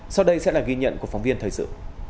sau đây sẽ là ghi nhận của phóng viên thời sự